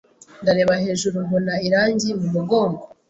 Ndareba hejuru mbona irangi mu mugongo